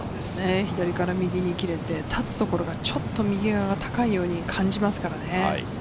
左から右に切れて、たつところはちょっと右が高いように感じますからね。